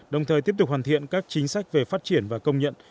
đồng thời tiếp tục hoàn thiện các chính sách về phát triển và công nhận